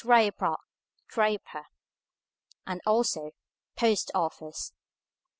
RAYBROCK, DRAPER;" and also "POST OFFICE."